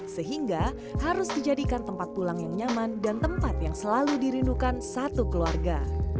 sehingga harus dijadikan tempat pulang yang nyaman dan tempat yang selalu dirindukan satu keluarga